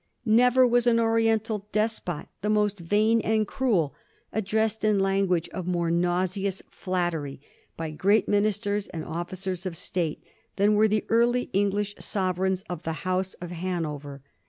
Never was an Oriental despot the most vain and cruel addressed in language of more nau seous flattery by great ministers and officers of State than were the early English sovereigns of the House of Hano ver.